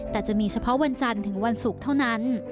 แต่จะมีเฉพาะวันจันทร์ถึงวันศุกร์เท่านั้น